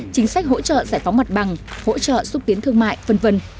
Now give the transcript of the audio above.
chính sách hỗ trợ giải phóng mặt bằng hỗ trợ xúc tiến thương mại v v